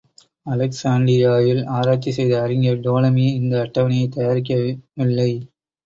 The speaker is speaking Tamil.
அலெக்சாண்டிரியாவில் ஆராய்ச்சி செய்த அறிஞர் டோலமி இந்த அட்டவணையைத் தயாரிக்கவில்லை.